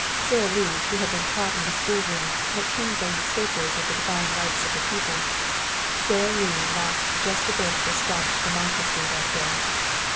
Sara Lee, who had been taught in the schoolroom that kings are usurpers of the divine rights of the people Sara Lee lost just a bit of her staunch democracy that day.